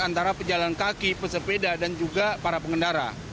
antara pejalan kaki pesepeda dan juga para pengendara